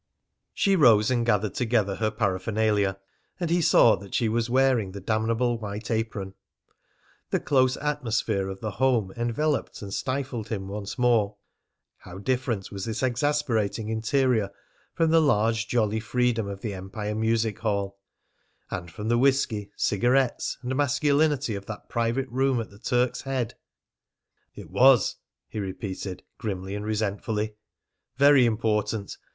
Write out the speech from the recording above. She rose and gathered together her paraphernalia, and he saw that she was wearing the damnable white apron. The close atmosphere of the home enveloped and stifled him once more. How different was this exasperating interior from the large jolly freedom of the Empire Music Hall, and from the whisky, cigarettes, and masculinity of that private room at the Turk's Head! "It was!" he repeated grimly and resentfully. "Very important!